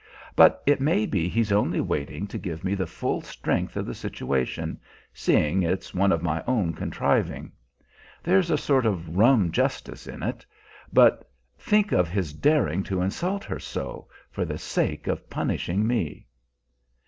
But it may be he's only waiting to give me the full strength of the situation, seeing it's one of my own contriving. There's a sort of rum justice in it; but think of his daring to insult her so, for the sake of punishing me!